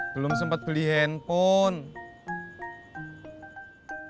belum sempet beli handphone